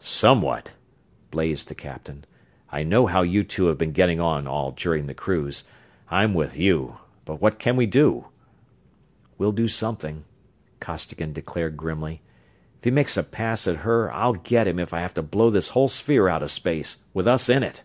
"Somewhat!" blazed the captain. "I know how you two have been getting on all during the cruise. I'm with you, but what can we do?" "We'll do something," Costigan declared grimly. "If he makes a pass at her I'll get him if I have to blow this whole sphere out of space, with us in it!"